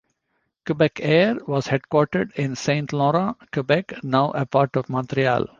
Quebecair was headquartered in Saint-Laurent, Quebec, now a part of Montreal.